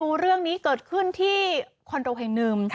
ดูเรื่องนี้เกิดขึ้นที่คอนโดแห่งหนึ่ง